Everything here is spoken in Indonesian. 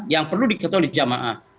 yang perlu diketahui oleh jamaah